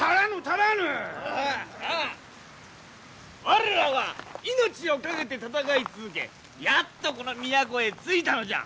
我らは命を懸けて戦い続けやっとこの都へ着いたのじゃ。